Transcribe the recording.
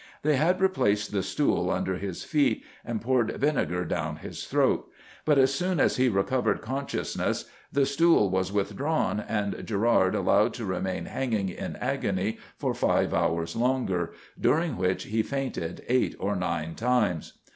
They had replaced the stool under his feet, and poured vinegar down his throat; but as soon as he recovered consciousness the stool was withdrawn and Gerard allowed to remain hanging in agony for five hours longer, during which he fainted eight or nine times.